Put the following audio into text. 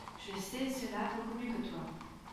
Je sais cela beaucoup mieux que toi.